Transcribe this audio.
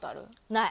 ない。